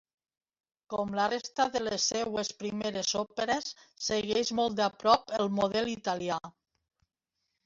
Com la resta de les seues primeres òperes, segueix molt de prop el model italià.